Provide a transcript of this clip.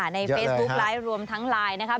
ในเฟซบุ๊คไลฟ์รวมทั้งไลน์นะครับ